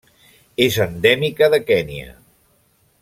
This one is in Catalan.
És endèmica de Kenya.